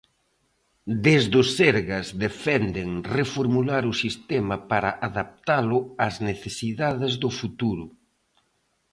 Desde o Sergas defenden reformular o sistema para adaptalo ás necesidades do futuro.